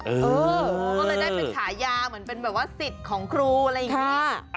ก็เลยได้เป็นฉายาเหมือนเป็นแบบว่าสิทธิ์ของครูอะไรอย่างนี้